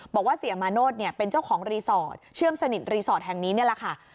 บอกว่าเสียมาโนธเป็นเจ้าของรีสอร์ทเชื่อมสนิทรีสอร์ทแห่งนี้นี่แหละค่ะ